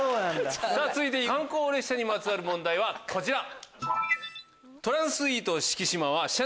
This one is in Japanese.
続いて観光列車にまつわる問題はこちら。